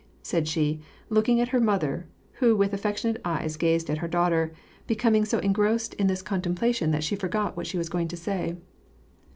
§aid she, looking at her mother, who with affectionate eyes gazed at her daughter, becoming so engrossed in this contemplation that she forgot what she was going to say.